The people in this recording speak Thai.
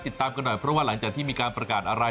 ติดตามกันหน่อยเพราะว่าหลังจากที่มีการประกาศอะไร